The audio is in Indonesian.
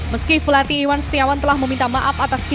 meski pelatih iwan setiawan telah meminta maaf atas tindakan